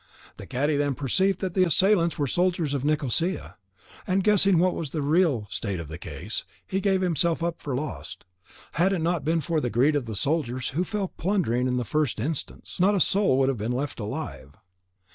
The cadi then perceived that the assailants were soldiers of Nicosia, and guessing what was the real state of the case, he gave himself up for lost; and had it not been for the greed of the soldiers, who fell to plundering in the first instance, not a soul would have been left alive.